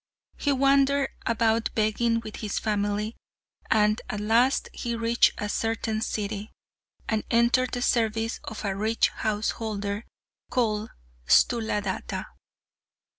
He wandered about begging with his family, and at last he reached a certain city, and entered the service of a rich householder called Sthuladatta.